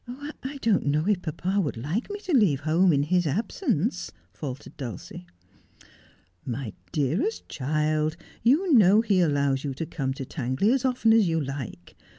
I don't know if papa would like me to leave home in his absence,' faltered Dulcie. ' My dearest child, you know he allows you to come to Tangley as often as you like.